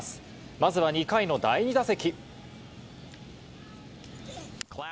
まずは２回の第２打席。